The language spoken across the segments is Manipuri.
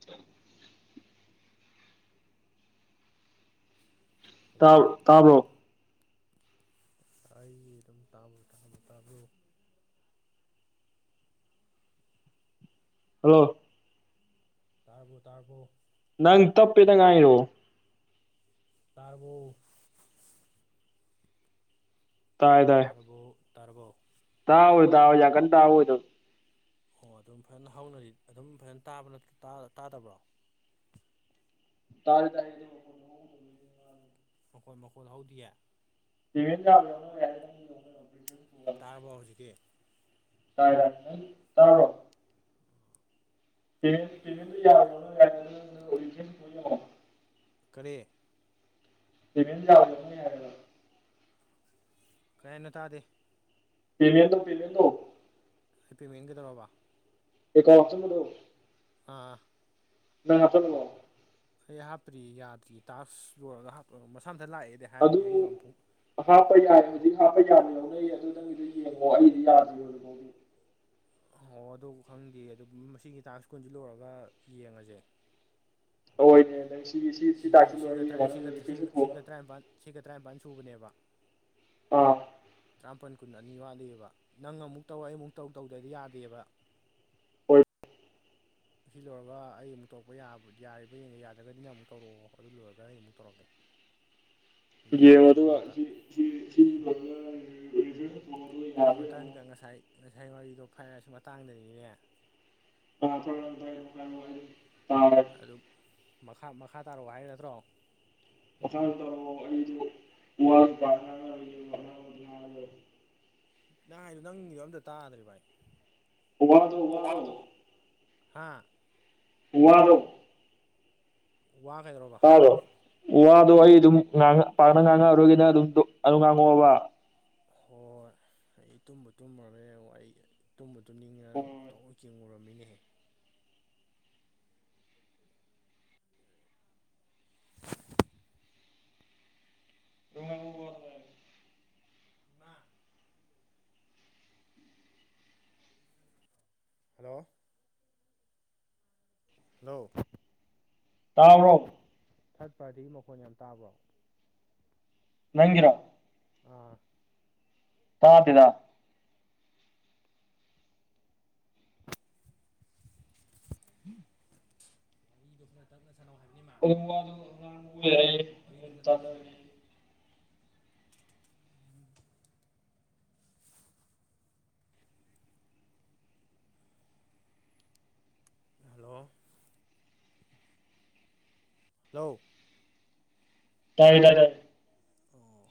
ꯆ ꯇꯥ ꯍꯜꯂꯣ ꯇꯥꯕꯣ ꯑꯩ ꯑꯗꯨꯝ ꯇꯥꯕꯨ ꯇꯥꯕ꯭ꯔ‌ꯣ ꯇꯥꯕ꯭ꯔ‌ꯣ ꯇꯥꯕ꯭ꯔ‌ꯣ ꯍꯜꯂꯣ ꯇꯥꯔꯕ‌ꯣ ꯇꯥꯔꯕ‌ꯣ ꯅꯪ ꯇꯞꯦ ꯇꯪ ꯉꯥꯏꯔꯣ ꯇꯥꯕꯨ ꯇꯗ ꯇꯔꯕꯣ ꯊꯥꯎꯣꯏ ꯊꯥꯎ ꯌꯥ ꯀꯟꯗꯥꯎꯣꯏ ꯑꯣ ꯑꯗꯨꯝ ꯐꯖꯅ ꯍꯧꯅꯔꯤ ꯑꯗꯨꯝ ꯐꯖꯅ ꯇꯥꯕ ꯇꯥꯗꯕ꯭ꯔꯣ ꯇꯥꯥꯏ ꯇꯥꯏ ꯃꯈꯣꯏꯠ ꯃꯈꯣꯠ ꯍꯧꯗꯤꯑ ꯇꯚꯗ ꯇꯥꯔꯕꯣ ꯍꯧꯖꯤꯛꯀꯤ ꯇꯥꯏꯔ ꯇꯥꯣ ꯗꯤ ꯌꯥꯔ ꯀꯣ ꯀꯔꯤꯦ ꯁꯤꯃꯤ ꯌꯥꯕꯅꯤ ꯌꯥꯔꯅ ꯀꯩꯅꯣ ꯇꯥꯗꯦ ꯄꯤꯂꯗꯣ ꯄꯤꯂꯦꯟꯗꯣ ꯑꯩ ꯄꯤ ꯃꯦꯟꯒꯗꯧ꯭ꯔꯕ ꯑꯩ ꯀꯣ ꯑꯣꯐꯁꯟꯗꯣ ꯑꯥ ꯅ ꯑꯄꯥꯣ ꯑꯩ ꯍꯥꯞꯇ꯭ꯔꯤ ꯌꯥꯗ꯭ꯔꯤ ꯇꯥꯛꯁ ꯌꯣꯏꯔꯒ ꯍꯥꯞꯄ ꯃꯁꯥ ꯃꯊ ꯂꯥꯛꯑꯦꯗꯤ ꯍꯥꯏꯕꯅꯦ ꯑꯗꯨ ꯑꯩꯗꯣ ꯑꯃꯨꯐꯛ ꯍꯥꯞꯄ ꯌꯥꯏꯅꯤ ꯍꯧꯖꯤꯛ ꯍꯥꯞꯄ ꯌꯥꯅꯤꯣ ꯅꯣꯏ ꯑꯗꯨ ꯅꯪꯒꯤꯗꯨ ꯌꯦꯡꯉꯣꯑꯣ ꯑꯩꯗꯤ ꯌꯥꯗ꯭ꯣꯗ ꯐꯣꯒꯤ ꯑꯣ ꯑꯗꯨ ꯈꯪꯗꯦ ꯑꯗꯨ ꯃꯁꯤꯒꯤ ꯇꯥꯡꯁ꯭ ꯀꯨꯟꯁꯤ ꯂꯣꯏꯔꯒ ꯌꯦꯡꯉꯁꯦ ꯍ ꯁꯤꯒ ꯁꯤꯒ ꯇꯧꯊꯣꯛꯑꯒ ꯇꯔꯥꯅꯤ ꯁꯤꯒ ꯇꯔꯥꯅꯤꯄꯜ ꯁꯨꯕꯅꯦꯕ ꯑꯥ ꯆꯃꯥꯄꯜ ꯀꯨꯟ ꯑꯅꯤ ꯋꯥꯠꯂꯤꯑꯕ ꯅꯪ ꯑꯃꯨꯛ ꯇꯧ ꯑꯩ ꯑꯃꯨꯛ ꯇꯧ ꯇꯧꯗꯗꯤ ꯌꯥꯗꯦꯕ ꯑꯣꯏꯜ ꯁꯤ ꯂꯣꯏꯔꯒ ꯑꯩ ꯑꯃꯨꯛ ꯇꯧꯔꯛꯄ ꯌꯥꯔꯤꯕ ꯌꯦꯡꯉꯒ ꯌꯥꯗ꯭ꯔꯒꯗꯤꯅ ꯑꯃꯨꯛ ꯇꯧꯔꯛꯑꯣ ꯑꯗꯨ ꯂꯣꯏꯔꯒ ꯑꯩ ꯑꯃꯨꯛ ꯇꯧꯔꯛꯀꯦ [inaudible] ꯌꯦ ꯌꯦꯡꯁꯦꯕ ꯑꯝꯇ ꯀꯔꯤ ꯃꯇꯥꯡꯗ ꯉꯁꯥꯏ ꯉꯁꯥꯏ ꯋꯥꯔꯤꯗꯣ ꯐꯥꯏꯔꯁꯨ ꯃꯇꯥꯡꯗꯅꯤꯅꯦ ꯑ ꯊꯥꯏ ꯇꯥꯔ ꯑꯗꯨꯝ ꯃꯈꯥ ꯃꯈꯥ ꯇꯥꯔꯛꯣ ꯍꯥꯏ ꯅꯠꯇ꯭ꯔꯣ [inaudible] ꯅꯍꯥꯟꯗ ꯅꯪꯒꯤꯗꯣ ꯑꯝꯇ ꯇꯥꯗ꯭ꯔꯔꯤ ꯚꯥꯏ ꯎꯕꯗꯣ ꯎꯕꯗꯣ ꯍꯥ ꯎꯉꯗꯣ ꯋꯥꯒꯗꯔꯕ ꯋꯥꯗꯣ ꯑꯩ ꯑꯗꯨꯝ ꯄꯥꯛꯅ ꯉꯥꯡꯉꯛꯑꯔꯣꯏꯒꯤꯅ ꯑꯗꯨꯝ ꯑꯗꯨ ꯉꯥꯡꯉꯛꯑꯣꯕ ꯍꯣꯏ ꯍꯣꯏ ꯑꯩ ꯇꯨꯝꯕ ꯇꯨꯝꯃꯔꯦ ꯑꯩꯨꯝꯕ ꯇꯨꯅꯤꯡꯗꯅ ꯍꯣꯏ ꯍꯣꯏ ꯇ ꯆꯤꯡꯉꯨꯨꯔꯃꯤꯅꯦꯍꯦ ꯑꯗꯨꯝ ꯉꯥꯡꯉꯛꯑꯣ ꯍꯂꯣ ꯍꯂꯣ ꯇꯥꯔꯕ꯭ꯔꯣ ꯊꯥꯔꯠ ꯄꯥꯔꯇꯤꯒꯤ ꯃꯈꯣꯟ ꯌꯥꯝ ꯇꯥꯕ꯭ꯔꯣ ꯅꯪ ꯉꯔꯣ ꯑꯥ ꯇꯥ ꯄꯦꯗ ꯎꯝ ꯗꯗꯨ ꯐꯔ ꯇ ꯑꯣ ꯑ ꯋꯥꯔꯤꯗꯣ ꯈꯔ ꯇꯞꯅ ꯁꯥꯟꯅꯧ ꯍꯥꯏꯕ ꯑꯗꯨ ꯍꯜꯂꯣ ꯍꯜꯂꯣ ꯇꯥꯏꯌꯦ ꯇꯥꯏ ꯇꯌꯦ ꯑꯣ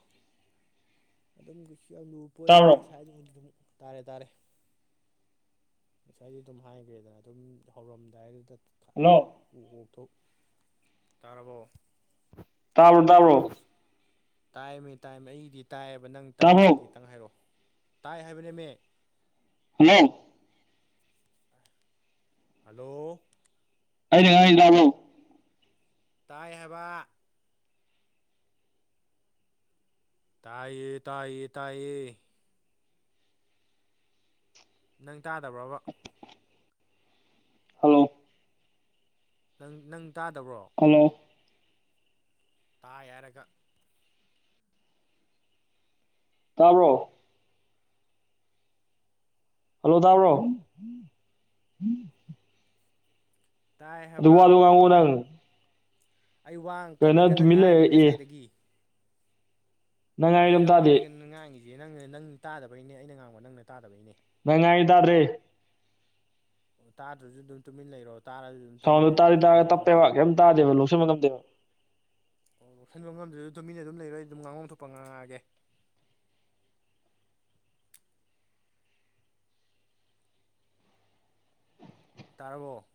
ꯑꯗꯨꯝꯒꯤꯁꯨ ꯌꯥꯝ ꯂꯨꯕ ꯄꯣꯠꯂꯗ ꯇꯥꯕ꯭ꯔꯣ ꯉꯁꯥꯏ ꯑꯗꯨꯃꯗꯤ ꯑꯗꯨꯝ ꯇꯥꯔꯦ ꯇꯥꯔꯦ ꯉꯁꯥꯏꯁꯨ ꯑꯗꯨꯝ ꯍꯥꯏꯈ꯭ꯔꯦꯗꯅ ꯑꯗꯨꯝ ꯍꯧꯔꯝꯗꯥꯏꯗꯨꯗ ꯅꯣ ꯊꯣꯛ ꯇꯥꯔꯕꯣ ꯇꯥꯕ꯭ꯔꯣ ꯇꯥꯕ꯭ꯔꯣ ꯇꯥꯏꯃꯦ ꯇꯥꯏꯝ ꯑꯩꯗꯤ ꯇꯥꯏꯑꯕ ꯅꯪ ꯇꯥꯏ ꯇꯥꯕ꯭ꯔꯣ ꯇꯥꯗꯤ ꯈꯤꯇꯪ ꯍꯥꯏꯔꯛꯑꯣ ꯇꯥꯏ ꯍꯥꯏꯕꯅꯦꯃꯦ ꯍꯜꯂꯣ ꯍꯂꯣ ꯍꯥꯏꯩꯅ ꯉꯥꯏ ꯂꯕꯣ ꯇꯥꯏꯕ ꯇꯌꯦꯌꯦ ꯇꯌꯦꯌꯦ ꯇꯌꯦꯌꯦ ꯅꯪ ꯇꯥꯗꯕ꯭ꯔꯕ ꯍꯜꯂꯣ ꯅꯪ ꯅꯪ ꯇꯥꯗꯕ꯭ꯔꯣ ꯍꯜꯂꯣ ꯀꯥ ꯌꯥꯔꯒ ꯇꯔꯣ ꯍꯜꯂꯣ ꯇꯗꯥꯕ꯭ꯔꯣ ꯇꯥꯏ ꯑꯗꯨꯕꯨ ꯍꯥꯏꯕ ꯑꯗꯨ ꯋꯥꯉꯗ ꯑꯩ ꯋꯥ ꯀꯟꯅ ꯀꯟꯅ ꯇꯨꯃꯤꯟ ꯉꯥꯡꯏꯤ ꯂꯩꯔ ꯑꯦ ꯉꯁꯥꯏꯗꯒꯤ ꯅꯪ ꯉꯥꯡꯉꯤꯗꯣ ꯑꯝ ꯉꯁꯥꯏ ꯋꯥ ꯇꯥꯗꯦ ꯀꯟꯒ ꯉꯥꯡꯉꯁꯤꯦ ꯅꯪꯅ ꯅꯪ ꯇꯥꯗꯕꯩꯅꯦ ꯑꯩꯅ ꯉꯥꯡꯕ ꯅꯪꯅ ꯇꯥꯗꯕꯩꯅꯦ ꯃꯉꯥꯏꯗꯔꯦ ꯑꯣ ꯇꯥꯗ꯭ꯔꯁꯨ ꯑꯗꯨꯝ ꯇꯨꯃꯤꯟ ꯂꯩꯔꯣ ꯇꯥꯔꯁꯨ ꯑꯗꯨꯝ ꯇꯨꯃꯤꯟ ꯁꯥꯎꯟꯗꯣ ꯂꯩꯔꯣ ꯇꯥꯗꯤ ꯑꯩ ꯑꯗꯨꯝ ꯇꯥꯔꯒ ꯉꯥꯡꯉꯛꯀꯦ ꯇꯞꯄꯦꯕ ꯀꯩꯝ ꯇꯗꯦꯕ ꯂꯧꯁꯤꯟꯕ ꯃꯇꯝꯗꯦꯕ ꯑꯣ ꯂ ꯂꯧꯁꯟꯕ ꯉꯝꯗ꯭ꯔꯁꯨ ꯑꯗꯨꯝ ꯃꯤꯅ ꯑꯗꯨꯝ ꯂꯩꯔꯣꯏ ꯑꯩ ꯑꯗꯨꯝ ꯉꯥꯉꯣꯝ ꯊꯣꯛꯄ ꯉꯥꯡꯉꯛꯑꯒꯦ ꯇꯥꯔꯔꯕꯣ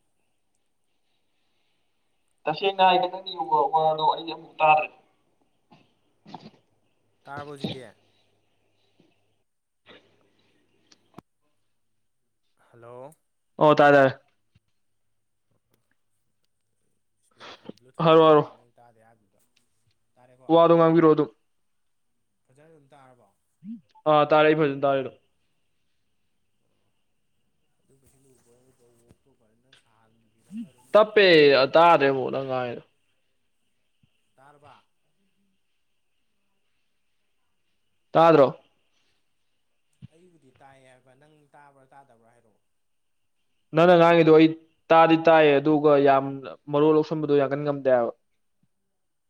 ꯇꯁꯦꯡꯅ ꯍꯥꯏꯒꯗꯪꯅꯤ ꯌ ꯋꯥ ꯋꯥꯗꯣ ꯑꯩ ꯑꯃꯨꯛ ꯇꯥꯔꯦ ꯇꯥꯔꯕꯖꯤꯇ ꯍꯜꯂꯣ ꯑꯣ ꯇꯥꯗꯥ ꯏꯁ ꯕ꯭ꯂꯨꯇꯨꯠ ꯑꯃ ꯍꯥꯏꯔꯣ ꯍꯥꯞꯆꯜꯂꯦ ꯅꯪ ꯇꯥꯗꯦ ꯍꯥꯏꯗꯅꯤ ꯋꯥꯗ ꯉꯥꯡꯒꯤꯔ ꯑꯣꯏ ꯑꯗꯨ ꯐꯖ ꯑꯗꯨꯝ ꯇꯥꯔꯕꯣ ꯑ ꯇꯔꯦ ꯐꯖ ꯇꯥꯔꯦ ꯂ ꯑꯗꯨ ꯄ ꯎ ꯐꯥꯏ ꯇꯞꯄꯦ ꯇꯥꯔꯦꯃꯣ ꯅꯪꯉꯔ ꯇꯔꯕꯥ ꯇꯥꯗ꯭ꯔꯣ ꯑꯩꯕꯨꯗꯤ ꯇꯥꯏꯌꯦ ꯍꯥꯏꯕ ꯅꯪ ꯇꯥꯕ꯭ꯔꯥ ꯇꯥꯗꯕ꯭ꯔꯥ ꯍꯥꯏꯔꯛꯑꯣ ꯅꯪꯅ ꯉꯥꯡꯉꯤꯗꯣ ꯑꯩ ꯇꯥꯗꯤ ꯇꯥꯏꯌꯦ ꯑꯗꯨꯒ ꯌꯥꯝ ꯃꯔꯣ ꯂꯧꯁꯟꯕꯗꯣ ꯌꯥꯡ ꯀꯟ ꯉꯝꯗꯦꯕ ꯎꯝ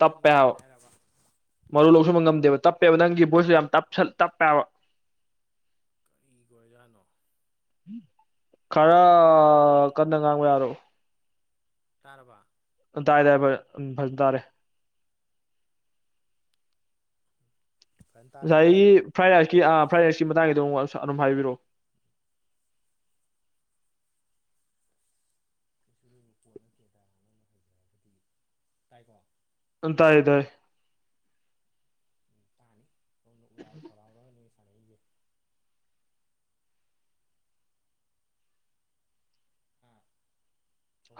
ꯇꯞꯄꯦ ꯃꯔꯨ ꯂꯧ ꯁꯕ ꯉꯝꯗꯦꯕꯞ ꯇꯞꯄꯦꯕ ꯅꯪꯒꯤ ꯕꯣꯠꯁꯨ ꯌꯥꯝꯞ ꯇꯞꯄꯦꯕ ꯀꯔꯤꯒꯖꯥꯠꯅꯣ ꯈꯔ ꯀꯟꯅ ꯉꯥꯡꯕ ꯌꯥꯔꯣ ꯇꯔꯔꯕ ꯇꯥꯏ ꯇꯌꯦ ꯐ ꯐꯖ ꯇꯔꯦ ꯐꯖꯅ ꯁꯥꯏ ꯇꯥꯔꯦꯀꯣ ꯐ꯭ꯔꯥꯏ ꯔ ꯐ꯭ꯔꯥꯏ ꯔꯥꯏꯁꯀꯤ ꯃꯇꯥꯡꯒꯤꯗꯨꯛ ꯑꯗꯨꯝ ꯍꯥꯏꯕꯤꯔꯛꯑꯣ ꯀꯩꯁꯨ ꯂꯩꯣꯏꯕ ꯄꯣꯠ ꯅꯠꯇꯦꯗ ꯅ ꯍꯩꯖꯒꯗꯤ ꯇꯥꯏꯀꯣ ꯑ ꯇꯑ ꯇꯑ ꯀꯅ ꯎꯗꯥꯥꯎ ꯊꯔꯕ ꯅ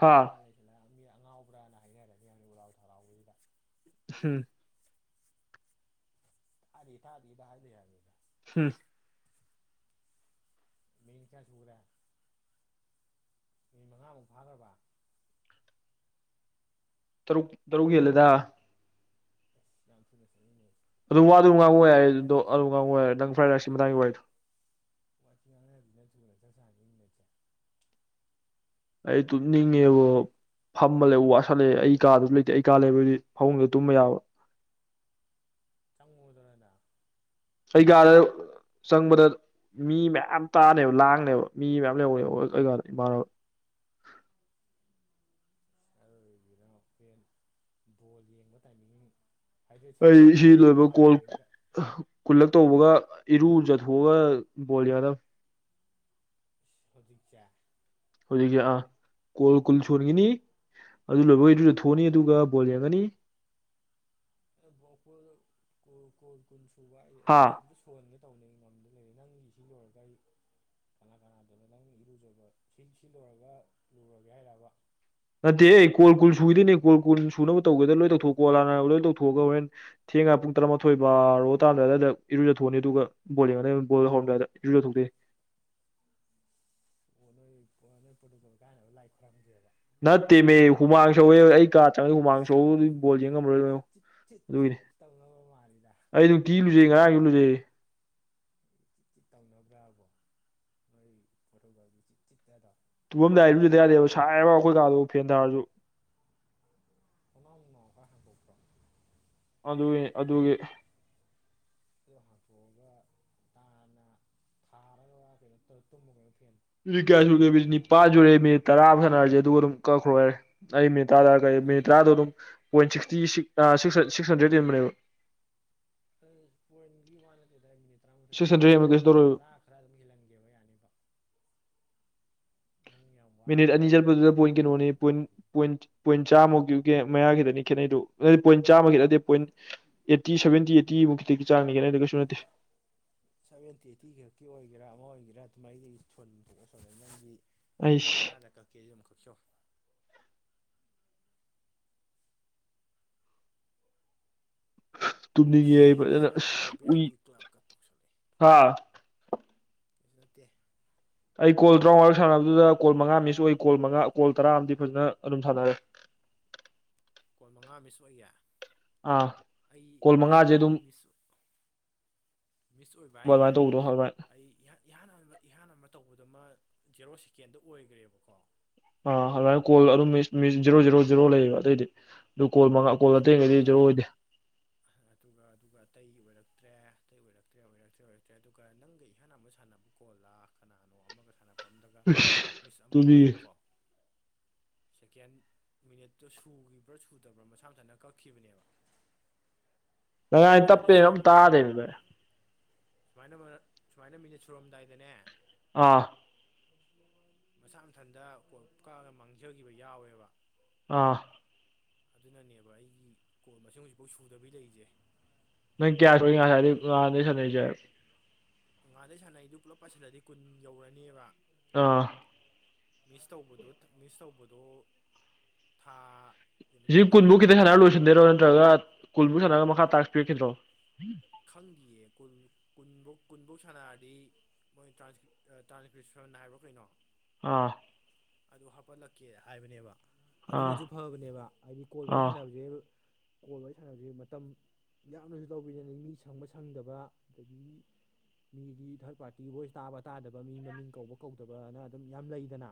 ꯍꯥ ꯂꯩꯁꯤꯜꯂ ꯃꯤ ꯑꯉꯥꯎꯕ꯭ꯔꯥꯅ ꯍꯥꯏꯅꯔꯒ ꯌꯥꯝꯅ ꯎꯔꯥꯎ ꯊꯔꯥꯎꯕꯒꯤꯗ ꯍꯝ ꯑꯗ ꯊꯥꯗꯗ ꯍꯥꯏꯗ ꯌꯥꯔꯦꯗ ꯍꯝ ꯃꯤ ꯀꯌꯥ ꯆꯨꯔ ꯃꯤ ꯃꯉꯥꯃꯨꯛ ꯐꯥꯔꯕ ꯇꯔꯨꯛ ꯇꯔꯨꯛ ꯍꯦꯜꯂꯦꯗ ꯑꯁ ꯌꯥꯝ ꯊꯨꯅꯁꯠ ꯑꯗꯨ ꯋꯥ ꯑꯗꯨ ꯉꯥꯡꯉ ꯌꯥꯏ ꯑꯗꯣ ꯑꯗꯨ ꯉꯥꯡꯉ ꯌꯥꯔ ꯂꯪ ꯐ꯭ꯔꯥꯏꯗ ꯔꯥꯏꯁꯀꯤ ꯃꯇꯥꯡꯒꯤ ꯋꯥꯏꯗꯣ ꯆ ꯑꯩ ꯇꯨꯅꯤꯉꯦꯕ ꯐꯝꯃ ꯂꯩ ꯋꯥꯁꯠꯂꯛꯑꯦ ꯑꯩ ꯀꯥꯗꯁꯨ ꯂꯩꯇꯦ ꯑꯩ ꯀꯥ ꯂꯩꯕꯗꯤ ꯐꯃꯨꯡꯗ ꯇꯨꯝꯕ ꯌꯥꯕ ꯆꯪꯉꯨꯗ꯭ꯔꯅ ꯑꯩꯒꯗ ꯁꯪꯕꯗ ꯃꯤ ꯃꯌꯥꯝ ꯇꯥꯅꯦꯕ ꯂꯥꯡꯅꯦꯕ ꯃꯤ ꯃꯌꯥꯝ ꯂꯩꯍꯅꯦꯕ ꯏꯃꯥꯟ ꯎꯝ ꯑꯗꯨ ꯑꯣꯏꯒꯤꯅ ꯍꯦꯟ ꯕꯣꯜ ꯌꯦꯡꯕ ꯇꯥꯏꯃꯤꯡ ꯍꯥꯏꯗ꯭ꯔꯦꯠ ꯑꯩ ꯁꯤ ꯀꯩꯅꯣ ꯂꯣꯏꯕ ꯍꯥꯞ ꯀꯣꯜ ꯇꯥꯏꯃꯤꯡꯗ ꯈꯨꯜꯂꯛ ꯇꯧꯕꯒ ꯏꯔꯨꯖ ꯍ ꯣꯜ ꯌꯥꯗ [inaudible] ꯍꯧꯖꯤꯛꯁ ꯑꯥ ꯀꯣꯜ ꯀꯨꯜ ꯁꯣꯟꯈꯤꯅꯤ ꯑꯗꯨ ꯂꯣꯏꯕꯈꯩ ꯑꯗꯨꯗ ꯊꯣꯛꯑꯅꯤ ꯑꯗꯨꯒ ꯕꯣꯜ ꯌꯦꯡꯒꯅꯤ ꯀ ꯀꯨꯟ ꯁꯨꯕ ꯑꯩ ꯍꯥ ꯑꯝꯇ ꯁꯣꯟꯒꯦ ꯇꯧꯅꯤꯡ ꯃꯝꯗ ꯂꯩꯔꯦ ꯅꯪꯒꯤ ꯁꯤ ꯂꯣꯏꯔꯒ ꯑꯩ ꯀꯅꯥ ꯀꯅꯥꯗꯅ ꯅꯪ ꯏꯔꯨꯖꯕ ꯁꯤ ꯁꯤ ꯂꯣꯏꯔꯒ ꯂꯨꯔꯒꯦ ꯍꯥꯏꯔꯕ ꯅꯠꯇꯦ ꯑꯩ ꯀꯣꯜ ꯀꯨꯜ ꯁꯨꯗꯣꯏꯅꯦ ꯀꯣꯜ ꯀꯨꯜ ꯁꯨꯅꯕ ꯇꯧꯒꯦꯗ ꯂꯣꯏ ꯇꯧꯊꯣꯛ ꯀꯣꯜ ꯂꯥꯟꯅ ꯂꯣꯏ ꯇꯧꯊꯣꯛꯑꯒ ꯍꯣꯔꯦꯟ ꯊꯦꯡꯉ ꯄꯨꯡ ꯇꯔꯥꯃꯊꯣꯏꯕꯥꯔꯣ ꯇꯥꯔꯝꯗꯥꯋꯥꯏꯗ ꯏꯔꯨꯖꯊꯑꯅꯤ ꯑꯗꯨꯒ ꯕꯣꯂꯤꯡꯉꯗ ꯕꯣꯜ ꯍꯧꯔꯝꯗꯥꯏꯗ ꯏꯔꯨꯖ ꯊꯣꯛꯇꯦ [unintelligible] ꯄ꯭ꯔꯣꯇꯨꯀꯣꯜ ꯀꯥꯏꯅꯕ ꯂꯥꯏ ꯈꯨꯣꯏꯔꯝꯗꯦꯕ ꯅꯦꯃꯦ ꯍꯨꯃꯥꯡꯁ ꯑꯣꯏ ꯑꯩ ꯀꯥ ꯆ ꯍꯨꯃꯥꯡ ꯑꯩ ꯁꯗꯤ ꯑꯗꯨꯝ ꯕꯣꯜ ꯃꯥꯟꯗꯦꯗ ꯌꯦꯡꯉꯝꯃꯣꯏꯣ ꯆꯤꯠ ꯆꯤꯠ ꯆꯤꯠ ꯆꯤꯠ ꯑꯗꯨꯒꯤꯅꯤ ꯇꯧꯅꯕ ꯃꯥꯜꯂꯤꯗ ꯑꯩ ꯅꯨꯡꯇꯤ ꯂꯨꯖꯩ ꯀꯌꯥ ꯀꯂꯨꯖ ꯆꯤꯠ ꯇꯧꯅꯕ꯭ꯔꯥꯕꯣꯣꯏ ꯐꯤ ꯇꯨꯐꯝꯝꯗ ꯍꯥꯏꯏꯔꯤꯕꯨꯁꯨꯗ ꯌꯥꯗꯦꯕ ꯁꯥꯏꯕ ꯑꯩꯈꯣꯏ ꯀꯥꯗꯕꯨ ꯐꯦꯟ ꯊꯥꯔꯁꯨ ꯑꯅꯀ ꯍꯗꯝ ꯑꯗꯨ ꯑꯗꯨꯒꯤ ꯣ ꯍꯥꯡꯇꯣꯛꯑꯒꯅ ꯊꯥꯔꯒ ꯀꯩꯅꯣꯨꯝꯃꯩꯅ ꯌꯥ ꯁꯨꯔꯦ ꯃꯤꯠ ꯅꯤꯄꯥꯟ ꯁꯨꯔꯦ ꯃꯤꯅꯤꯠ ꯇꯔꯥ ꯁꯥꯟꯅꯔꯁꯦ ꯑꯗꯨꯒ ꯑꯗꯨꯝ ꯀꯛꯈ꯭ꯔꯣ ꯍꯥꯏꯔꯦ ꯑꯩ ꯃꯤꯅꯤꯠ ꯃꯤꯅꯤꯠ ꯇꯔꯥꯗꯣ ꯑꯗꯨꯝꯣꯏ ꯁꯤꯛꯁꯇꯤ ꯁꯤꯛꯁ ꯍꯟꯗ꯭ꯔꯦꯠꯕꯅꯦꯕ ꯋꯥ ꯇꯔꯥꯃꯥꯊꯣꯏ ꯁꯤꯛꯁ ꯇꯔꯥꯃꯥꯊꯣꯏ ꯍꯟꯗ꯭ꯔꯦꯗ ꯍꯦꯟꯕ ꯑꯗꯨꯝ ꯀꯩꯁꯨ ꯄꯅꯤ ꯇꯧꯔꯣꯏꯕ ꯇꯔꯥ ꯈꯔ ꯑꯗꯨꯝ ꯍꯦꯜꯍꯟꯒꯦꯕ ꯌꯥꯅꯤꯕ ꯅꯪ ꯌꯥꯝ ꯋꯥ ꯃꯤꯅꯤꯠ ꯉꯥꯡꯉꯨ ꯑꯅꯤ ꯆꯠꯄꯗꯨꯗ ꯍꯥꯏꯗ꯭ꯔꯁꯨ ꯑꯗꯨꯝ ꯄꯣꯏꯟ ꯌꯥꯕ ꯀꯩꯅꯣꯅꯤ ꯄꯣꯠꯇꯨꯕꯨ ꯄꯣꯏꯟ ꯆꯥꯝꯃ ꯃꯌꯥꯒꯤꯗꯅꯤ ꯈꯦꯠꯩꯗꯨ ꯄꯣꯏꯟ ꯆꯥꯃ ꯈꯦꯠꯠꯇꯗꯦ ꯄꯣꯏꯟ ꯑꯦꯠꯇꯤ ꯁꯚꯦꯟꯇꯤ ꯑꯩꯠꯇꯤꯃꯨꯛ ꯈꯤꯇꯒꯤ ꯆꯥꯡꯅꯤꯅ ꯀꯩꯁꯃ ꯁꯚꯦꯟꯇꯤ ꯑꯩꯠꯇꯤ ꯈꯛꯀꯤ ꯑꯣꯏꯒꯦꯔꯥ ꯑꯃ ꯑꯣꯏꯒꯦꯔꯥ ꯑꯗꯨꯃꯥꯏꯗꯒꯤ ꯁꯣꯟ ꯊꯣꯛꯑ ꯁꯣꯂ ꯅꯪꯒꯤ ꯃꯤ ꯇꯔꯥ ꯑꯩꯁ ꯂꯀ ꯀꯖꯤꯝ ꯈꯔꯆꯣ ꯇꯨꯝꯅꯤꯡꯉꯦ ꯑꯩ ꯑꯁ ꯐꯖꯅ ꯖꯣꯏꯟ ꯑꯁ ꯑꯋꯥꯔ ꯚꯤ ꯑꯥꯏ ꯎꯏ ꯄꯤ ꯍꯥꯥ ꯏꯁꯠꯇꯦ ꯑꯩ ꯀꯣꯜ ꯇꯔꯥꯃꯉꯔꯛ ꯁꯥꯟꯅꯕꯗꯨꯗ ꯀꯣꯜ ꯃꯉꯥ ꯃꯤꯁꯨ ꯑꯣꯏ ꯀꯣꯜ ꯃꯉꯥ ꯀꯣꯜ ꯇꯔꯥ ꯑꯃꯗꯤ ꯐꯖꯅ ꯑꯗꯨꯝ ꯁꯥꯟꯅꯔꯦ ꯀꯣꯜ ꯃꯉꯥ ꯃꯤꯁ ꯑꯣꯏꯌꯦ ꯑꯥ ꯑꯩ ꯀꯣꯜ ꯑꯩ ꯃꯉꯥꯁꯦ ꯑꯗꯨꯝ ꯃꯤꯁ ꯃꯤꯁ ꯑꯣꯏꯕ ꯍꯥꯏꯁꯦ ꯑꯗꯨꯃꯥꯏꯅ ꯇꯧꯕꯗꯣ ꯑꯗꯨꯃꯥꯏꯅ ꯑꯩ ꯏꯍꯥꯟ ꯏꯍꯥꯟ ꯑꯃ ꯇꯧꯕ ꯎꯗꯨꯃ ꯖꯦꯔꯣ ꯁꯦꯀꯦꯟꯗ ꯑꯣꯏꯈ꯭ꯔꯦꯕꯀꯣ ꯑꯥ ꯑꯗꯨꯃꯥꯏꯅ ꯀꯣꯜ ꯑꯗꯨꯝ ꯃꯤ ꯖꯦꯔꯣ ꯖꯦꯔꯣ ꯖꯦꯔꯣ ꯂꯩꯌꯦꯕ ꯑꯇꯩꯗꯤ ꯀꯣꯜ ꯃꯉꯥ ꯀꯣꯜ ꯑꯗꯨꯒ ꯑꯇꯩꯉꯩꯗꯤꯖꯔꯨ ꯑꯣꯏꯗꯦ ꯇꯩ ꯑꯣꯏ ꯛꯇ꯭ꯔꯦ ꯑꯇꯩ ꯑꯣꯏꯔꯛꯇ꯭ꯔꯦ ꯑꯣꯏꯔꯛꯇ꯭ꯔꯦ ꯑꯣꯏꯔꯛꯇ꯭ꯔꯦ ꯑꯗꯨꯒ ꯅꯪꯒ ꯏꯍꯥꯟꯥꯟꯕ ꯁꯥꯟꯅꯕ ꯀꯣꯂꯥ ꯀꯅꯥꯅꯣ ꯑꯃꯒ ꯁꯥꯟꯅꯕ ꯑꯝꯗꯒ ꯃꯤꯁ ꯑꯃ ꯇꯃꯤ ꯑꯣꯏꯌꯦꯕꯀꯣ ꯁꯦꯀꯦꯟ ꯃꯤꯅꯤꯠꯇꯨ ꯁꯨꯈꯤꯕ꯭ꯔꯥ ꯁꯨꯗꯕ꯭ꯔꯥ ꯃꯁꯥ ꯥꯞꯊꯅ ꯀꯛꯈꯤꯕꯅꯦꯕ ꯅꯉꯥꯏ ꯁꯨꯃꯥꯏꯅ ꯃꯤꯅꯤꯠ ꯇꯞꯄꯦꯅ ꯑꯗꯨꯝ ꯁꯨꯔꯝꯗꯥꯏ ꯇꯥꯗꯦꯕꯗ ꯁꯨꯃꯥꯏꯅ ꯁꯨꯃꯥꯏꯅ ꯃꯤꯅꯠ ꯁꯨꯔꯝꯗꯥꯏꯗꯅꯦ ꯑꯥ ꯃꯁꯥ ꯃꯊꯟꯇ ꯀ ꯀꯛꯑꯒ ꯃꯥꯡꯖꯈꯤꯕ ꯌꯥꯎꯋꯦꯕ ꯑꯥ ꯑꯗꯨꯅꯅꯦꯕ ꯑꯩꯒꯤ ꯀꯣꯜ ꯃꯁꯤꯡ ꯍꯧꯖꯤꯛꯐꯥꯎ ꯁꯨꯗꯕꯤ ꯂꯩꯔꯤꯁꯦ ꯅꯪ ꯀꯌꯥ ꯁꯨ ꯉꯗꯤ ꯉꯥꯅ ꯁꯥꯟꯅꯩꯁꯦ ꯉꯥꯗꯩ ꯁꯥꯟꯅꯩꯗꯨ ꯄꯨꯂꯞ ꯄꯥꯁꯤꯜꯂꯗꯤ ꯀꯨꯟ ꯌꯧꯔꯅꯦꯕ ꯑꯥ ꯃꯤꯁ ꯇꯧꯕꯗꯣ ꯃꯤꯁ ꯇꯧꯕꯗꯣ ꯊꯥ ꯀꯩꯅꯣ ꯁꯤ ꯀꯨꯟꯕꯨ ꯇꯧꯗꯕꯤꯗ ꯈꯤꯇꯪ ꯁꯥꯟꯅꯔ ꯂꯣꯏꯁꯤꯟꯗꯣꯏꯔꯣ ꯅꯠꯇ꯭ꯔꯒ ꯀꯨꯟꯕꯨ ꯁꯥꯟꯅꯔꯒ ꯃꯈꯥ ꯇꯥ ꯄꯤꯔꯛꯈꯤꯗ꯭ꯔꯣ ꯈꯪꯗꯌꯦ ꯀꯨꯟꯐꯧ ꯀꯨꯟꯐꯧ ꯁꯥꯟꯅꯔꯗꯤ ꯃꯣꯏ ꯇ꯭ꯔꯥꯟꯁꯀꯔꯤꯁꯟ ꯍꯥꯏꯕ꯭ꯔꯣ ꯀꯩꯅꯣ ꯑꯥ ꯑꯗꯨ ꯍꯥꯞꯄꯠꯂꯛꯀꯦ ꯍꯥꯏꯕꯅꯦꯕ ꯑꯥ ꯑꯗꯨꯅꯁꯨ ꯐꯕꯅꯦꯕ ꯍꯥꯏꯗꯤ ꯀꯣꯜ ꯋꯥꯔꯤ ꯋꯥꯔꯤ ꯑꯥ ꯁꯥꯟꯅꯕꯁꯦ ꯀꯣ ꯋꯥꯔꯤ ꯁꯥꯟꯅꯕꯁꯤ ꯃꯇꯝ ꯌꯥꯝꯅꯁꯨ ꯇꯧꯕꯤꯗꯅ ꯃꯤ ꯁꯪꯕ ꯁꯪꯗꯕ ꯑꯗꯒꯤ ꯃꯤꯒꯤ ꯊꯥꯔꯠ ꯄꯥꯔꯇꯤ ꯚꯣꯏꯁ ꯇꯥꯕ ꯇꯥꯗꯕ ꯃꯤ ꯃꯃꯤꯡ ꯀꯧꯕ ꯀꯧꯗꯕꯅ ꯑꯗꯨꯝ ꯌꯥꯝ ꯂꯩꯗꯅ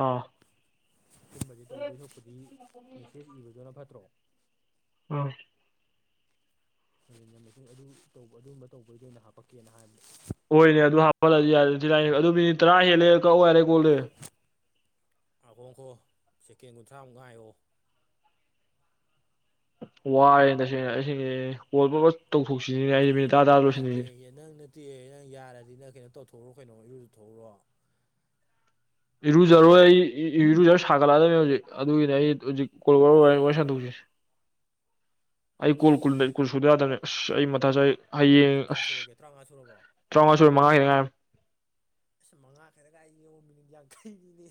ꯑꯥ ꯁꯨꯝꯕꯗꯤ ꯇꯧꯗꯣꯏ ꯁꯄꯨꯗꯤ ꯃꯦꯁꯦꯖ ꯏꯕꯗꯨꯅ ꯐꯠꯇ꯭ꯔꯣ ꯑꯥ ꯉꯃꯦ ꯑꯗꯨ ꯇꯧꯕ ꯑꯗꯨꯒꯨꯝꯕ ꯇꯧꯕꯩꯗ ꯑꯣꯏꯅ ꯍꯥꯄꯛꯀꯦꯅ ꯍꯥꯏꯕꯅꯤ ꯍꯣꯏꯅꯦ ꯑꯗꯨ ꯍꯥꯞꯄꯗꯤ ꯌꯥꯔꯦꯥꯏ ꯑꯗꯨ ꯃꯤꯅꯤꯠ ꯇꯔꯥ ꯍꯦꯜꯂꯦ ꯀꯛꯑꯣ ꯌꯥꯔꯦ ꯀꯣꯜꯂꯦ ꯑꯥꯍꯣꯡꯈꯣ ꯁꯦꯀꯦꯟ ꯀꯨꯟꯊ꯭ꯔꯥꯃꯨꯛ ꯉꯥꯏꯌꯣ ꯋꯥꯔꯦ ꯇꯁꯦꯡꯅ ꯑꯩꯁꯁꯦꯜ ꯄꯨꯂ ꯇꯧꯊꯣꯛꯁꯤꯅꯤꯅꯦ ꯑꯩ ꯅꯨ ꯑ ꯌꯦꯅꯥꯅ ꯅꯠꯇꯦ ꯅꯪ ꯌꯥꯔꯗꯤ ꯅ ꯀꯩꯅꯣ ꯇꯧꯊꯣꯛꯎꯔꯣ ꯀꯩꯅꯣ ꯏꯔꯨ ꯇꯊꯣꯛꯎꯔꯣ ꯏꯔꯨꯖꯔꯣꯏ ꯑꯩ ꯏꯔꯨꯖꯔꯣꯏ ꯁꯥꯒꯠꯂꯛꯑꯗꯕꯅꯤ ꯍꯧꯖꯤꯛ ꯑꯗꯨꯒꯤꯅꯦ ꯑꯩ ꯍꯧꯖꯤꯛ ꯀꯣꯔ ꯁꯟꯗꯣꯛꯁꯤꯦ [unintelligible] ꯑꯩ ꯀꯣꯜ ꯀꯨꯜ ꯀꯨꯜ ꯁꯨꯗ ꯌꯥꯗꯅꯦ ꯑꯩ ꯃꯊꯥ ꯆ ꯍꯌꯦꯡ ꯀꯌꯥ ꯑꯁ ꯁꯨꯔꯒꯦ ꯇꯔꯥꯃꯉꯥ ꯁꯨꯔꯕꯣ ꯇꯔꯥꯃꯉꯥ ꯁꯨꯔ ꯃꯉꯥꯒꯤꯅꯉꯥꯏꯔ ꯑꯁ ꯃꯉꯥ ꯈꯔ ꯀꯥꯏꯡ ꯃꯤꯅꯠ ꯌꯥꯡꯈꯩꯅꯤꯅꯦ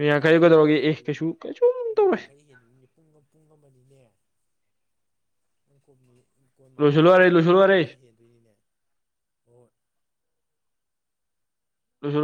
ꯃꯤ ꯌꯥꯡꯈꯩꯗꯣ ꯌꯥꯡꯈꯩ ꯀꯩꯗꯧꯔꯒꯦ ꯑꯦ ꯍꯦꯟꯕꯤ ꯀꯩꯁꯨ ꯀꯩꯁꯨꯝ ꯃꯤ ꯇꯧꯔꯣꯏ ꯌꯥꯡꯈꯩ ꯍꯦꯟꯕꯤꯅꯦ ꯄꯨꯡ ꯄꯨꯡ ꯑꯃꯅꯤꯅꯦ ꯀ ꯀꯣꯟ ꯂꯣꯏꯁꯤꯜꯂꯨ ꯃꯉꯥꯈꯛ ꯌꯥꯔꯦ ꯀꯥꯏꯁꯦ ꯂꯣꯏꯁꯤꯜꯂꯨ ꯄꯨꯡ ꯌꯥꯔꯦ ꯑꯃ ꯍꯦꯟꯗꯣꯏꯅꯤꯅꯦ ꯍ ꯍꯣꯏ ꯂꯣꯏꯁꯤꯜ